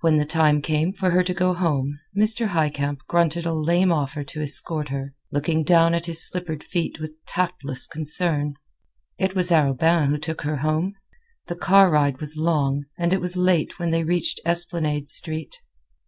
When the time came for her to go home, Mr. Highcamp grunted a lame offer to escort her, looking down at his slippered feet with tactless concern. It was Arobin who took her home. The car ride was long, and it was late when they reached Esplanade Street.